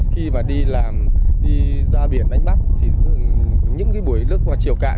khi mà đi làm đi ra biển đánh bắt thì những cái buổi lướt qua trường cản